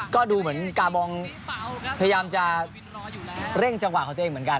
ก็ดูเหมือนกาบองพยายามจะเร่งจังหวะของตัวเองเหมือนกัน